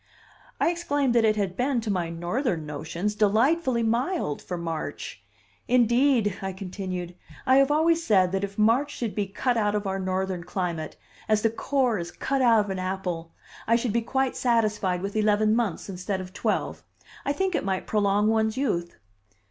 I exclaimed that it had been, to my Northern notions, delightfully mild for March. "Indeed," I continued, "I have always said that if March could be cut out of our Northern climate, as the core is cut out of an apple, I should be quite satisfied with eleven months, instead of twelve. I think it might prolong one's youth."